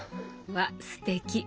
わっすてき！